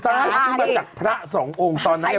ตาชตาชที่มาจากพระสององค์ตอนนั้น